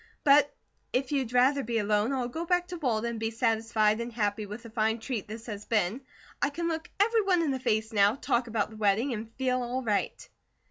But if you'd rather be alone, I'll go back to Walden and be satisfied and happy with the fine treat this has been. I can look everyone in the face now, talk about the wedding, and feel all right."